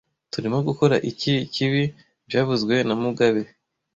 Turimo gukora iki kibi byavuzwe na mugabe